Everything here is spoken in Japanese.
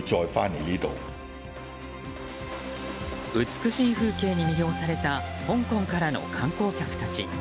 美しい風景に魅了された香港からの観光客たち。